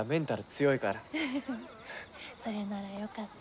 それならよかった。